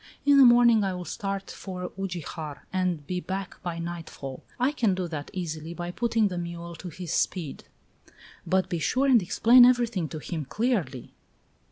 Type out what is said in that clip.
In the morning I will start for Ugijar and be back by nightfall; I can do that easily by putting the mule to his speed." "But be sure and explain everything to him clearly."